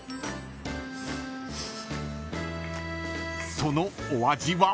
［そのお味は？］